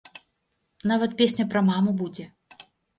Нават песня пра маму будзе!